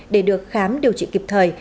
để được khám điều trị kịp thời